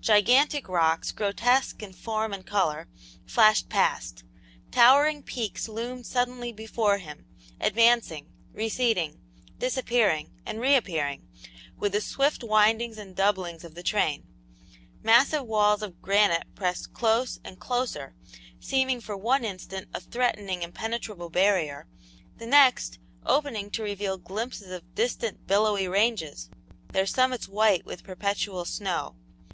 Gigantic rocks, grotesque in form and color, flashed past; towering peaks loomed suddenly before him, advancing, receding, disappearing, and reappearing with the swift windings and doublings of the train; massive walls of granite pressed close and closer, seeming for one instant a threatening, impenetrable barrier, the next, opening to reveal glimpses of distant billowy ranges, their summits white with perpetual snow.